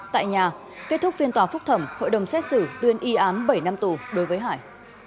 tại nhà kết thúc phiên tòa phúc thẩm hội đồng xét xử tuyên y án bảy năm tù đối với hải